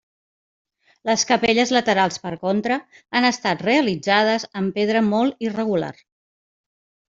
Les capelles laterals, per contra, han estat realitzades amb pedra molt irregular.